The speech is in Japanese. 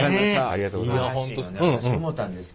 ありがとうございます。